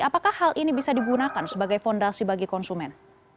apakah hal ini bisa digunakan sebagai fondasi bagi konsumen